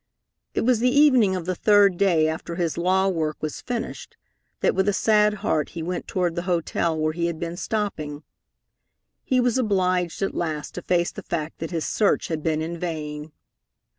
It was the evening of the third day after his law work was finished that with a sad heart he went toward the hotel where he had been stopping. He was obliged at last to face the fact that his search had been in vain.